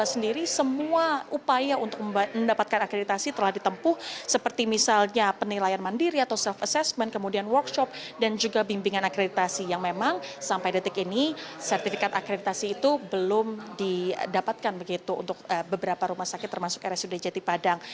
sendiri semua upaya untuk mendapatkan akreditasi telah ditempuh seperti misalnya penilaian mandiri atau self assessment kemudian workshop dan juga bimbingan akreditasi yang memang sampai detik ini sertifikat akreditasi itu belum didapatkan begitu untuk beberapa rumah sakit termasuk rsud jati padang